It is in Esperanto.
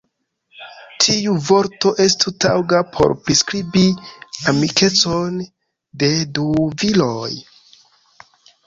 Tiu vorto estu taŭga por priskribi amikecon de du viroj.